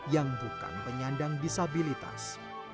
yang bukan penyandang disabilitas